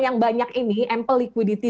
yang banyak ini ample liquidity